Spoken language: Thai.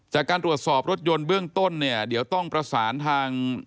จากการตรวจสอบรถยนต์เบื้องต้นเนี่ยเดี๋ยวต้องประสานทาง